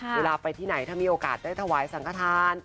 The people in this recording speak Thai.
เวลาไปที่ไหนถ้ามีโอกาสได้ถวายสังขทาน